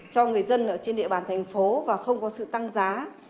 cho người dân ở trên địa bàn thành phố và không có sự tăng giá